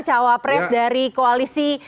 cawapres dari koalisi